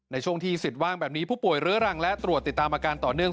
ในช่วงที่สิทธิ์ว่างแบบนี้ผู้ป่วยเรื้อรังและตรวจติดตามอาการต่อเนื่อง